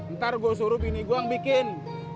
ntar gue suruh gini gue bikin